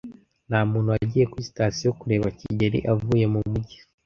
Ntamuntu wagiye kuri sitasiyo kureba kigeli avuye mumujyi.